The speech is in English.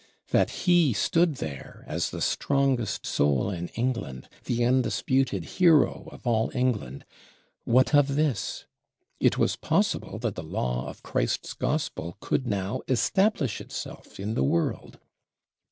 That he stood there as the strongest soul of England, the undisputed Hero of all England, what of this? It was possible that the Law of Christ's Gospel could now establish itself in the world!